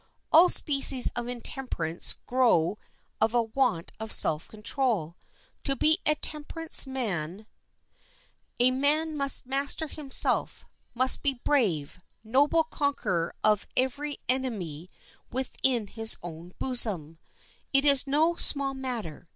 All species of intemperance grow of a want of self control. To be a temperance man a man must master himself, must be a brave, noble conqueror of every enemy within his own bosom. It is no small matter.